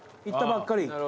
行ったばっかり。